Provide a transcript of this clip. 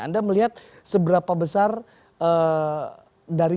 anda melihat seberapa besar dari dpr sendiri